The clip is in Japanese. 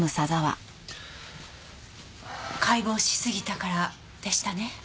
「解剖しすぎたから」でしたね？